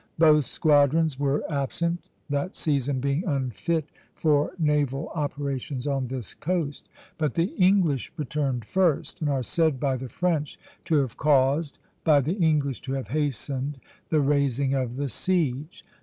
Both squadrons were absent, that season being unfit for naval operations on this coast; but the English returned first, and are said by the French to have caused, by the English to have hastened, the raising of the siege.